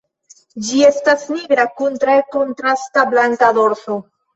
Ĝi estas nigra kun tre kontrasta blanka dorso.